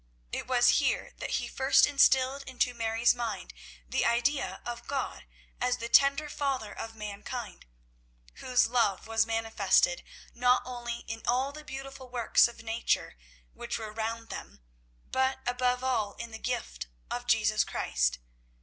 It was here that he first instilled into Mary's mind the idea of God as the tender Father of mankind, whose love was manifested not only in all the beautiful works of nature, which were round them, but above all in the gift of Jesus Christ.